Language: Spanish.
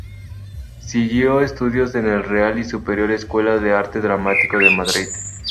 Siguió estudios en la Real y Superior Escuela de Arte Dramático de Madrid.